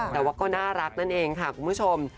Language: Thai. แต่ว่าก็น่ารักนั่นเองค่ะคุณผู้ชม